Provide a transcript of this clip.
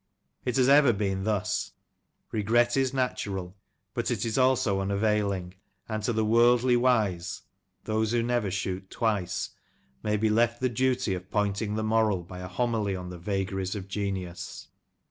It has ever been thus. Regret is natural, but it is also unavailing, and to the worldly wise — those who never shoot twice — may be left the duty of point ing the moral by a homily on the vagaries of genius.